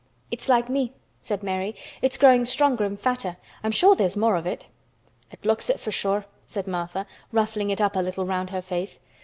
"It's like me," said Mary. "It's growing stronger and fatter. I'm sure there's more of it." "It looks it, for sure," said Martha, ruffling it up a little round her face.